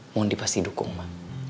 mondi pasti dukung ma